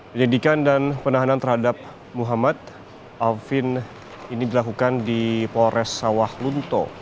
penyelidikan dan penahanan terhadap muhammad alvin ini dilakukan di polres sawah lunto